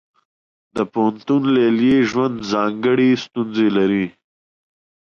د پوهنتون لیلیې ژوند ځانګړې ستونزې لري.